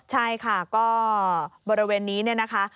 ใช่ค่ะก็บริเวณนี้นะคะ